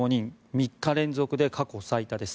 ３日連続で過去最多です。